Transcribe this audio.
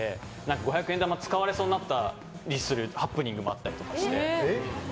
五百円玉使われそうになったりするハプニングもあったりして。